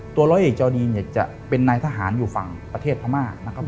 ตัวร้อยเอกจอดีจะเป็นนายทหารอยู่ฝั่งประเทศพม่า